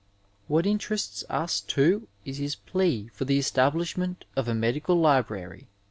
What interests us, too, is his plea for the estab lishment of a medical library.